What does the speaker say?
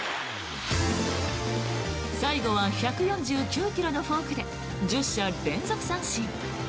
最後は１４９ｋｍのフォークで１０者連続三振。